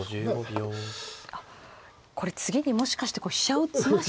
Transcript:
あっこれ次にもしかして飛車を詰ましに。